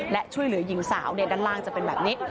และช่วยเหลือหญิงสาวด้านล่างจะเป็นแบบนี้